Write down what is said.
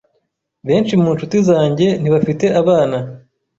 Benshi mu nshuti zanjye ntibafite abana.